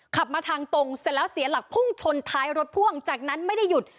ขับมาทางตรงเสร็จแล้วเสียหลักพุ่งชนท้ายรถพ่วงจากนั้นไม่ได้หยุด